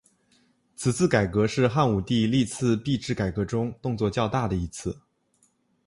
此次改革是汉武帝历次币制改革中动作较大的一次。